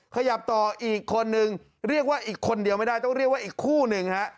ขยับต่ออีกคนนึงเรียกว่าอีกคนเดียวไม่ได้ต้องเรียกว่าอีกคู่หนึ่งฮะ